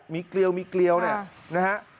มีเกลี้ยวเนี่ยนะครับ